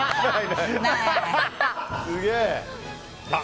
すげえ！